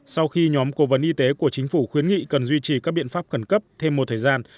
sau khi nhóm cố vấn y tế của chính phủ khuyến nghị cần duy trì các biện pháp khẩn cấp thêm một thời gian